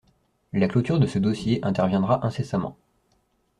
La clôture de ce dossier interviendra incessamment.